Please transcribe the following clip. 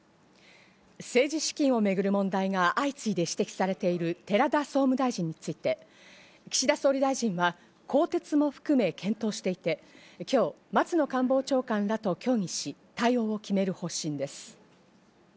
政治資金をめぐる問題が相次いで指摘されている寺田総務大臣について、岸田総理大臣は、更迭も含め検討していて、今日、松野官房長官らと協議し、対応を決める方針です。